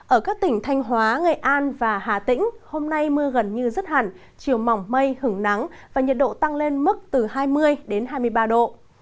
ở các tỉnh thanh hóa nghệ an và hà tĩnh hôm nay mưa gần như rất hẳn chiều mỏng mây hứng nắng và nhiệt độ tăng lên mức từ hai mươi đến hai mươi ba độ